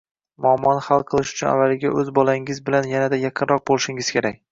Muammoni hal qilish uchun avvaliga o‘z bolangiz bilan yanada yaqinroq bo‘lishingiz kerak.